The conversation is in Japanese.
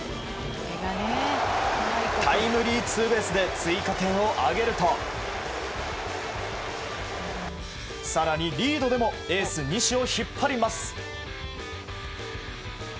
タイムリーツーベースで追加点を挙げると更にリードでもエース西を引っ張ります。